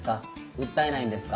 訴えないんですか？